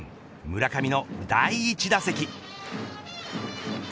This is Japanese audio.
村上の第１打席。